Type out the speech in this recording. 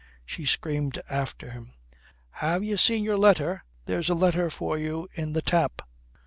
She screamed after him "Ha' you seen your letter? There's a letter for you in the tap."